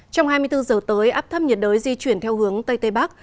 trong hai mươi bốn giờ tới áp thấp nhiệt đới di chuyển theo hướng tây tây bắc